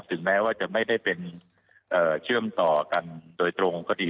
ถึงแม้ว่าจะไม่ได้เป็นเชื่อมต่อกันโดยตรงก็ดี